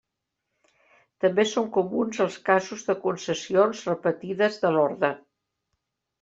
També són comuns els casos de concessions repetides de l'orde.